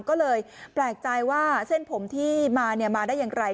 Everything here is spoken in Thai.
ก็เลยแปลกใจว่าเส้นผมที่มามาได้อย่างไร